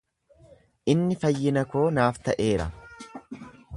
Inni fayyina koo naaf ta'eera.